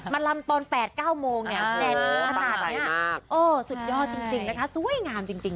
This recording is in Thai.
ลำตอน๘๙โมงเนี่ยแนนขนาดนี้โอ้สุดยอดจริงนะคะสวยงามจริง